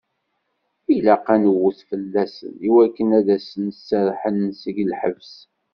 Ilaq ad newwet fell-asen, i waken ad asen-d-serrḥen seg lḥebs.